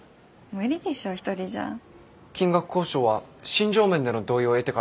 金額交渉は心情面での同意を得てから。